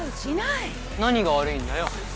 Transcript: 何が悪いんだよ。